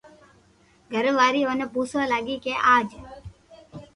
گھر واري اوني پوسوا لاگي ڪي اج